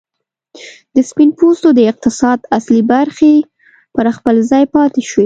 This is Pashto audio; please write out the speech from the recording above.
د سپین پوستو د اقتصاد اصلي برخې پر خپل ځای پاتې شوې.